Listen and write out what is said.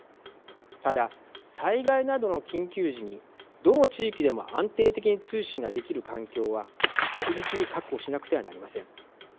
ただ、災害などの緊急時にどの地域でも安定的に通信ができる環境は確実に確保しなくてはなりません。